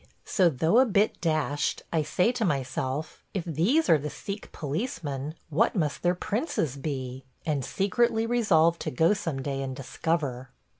so, though a bit dashed, I say to myself, "If these are the Sikh policemen, what must their princes be?" and secretly resolve to go some day and discover.